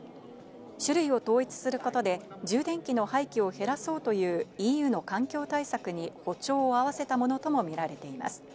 種類を統一することで、充電器の廃棄を減らそうというＥＵの環境対策に歩調を合わせたものとみられています。